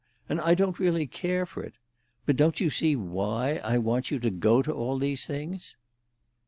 And I don't really care for it. But don't you see why I want you to go to all these things?"